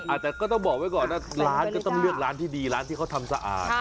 อาจจะก็ต้องบอกไว้ก่อนนะร้านก็ต้องเลือกร้านที่ดีร้านที่เขาทำสะอาด